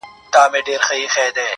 كله ،كله ديدنونه زما بــدن خــوري,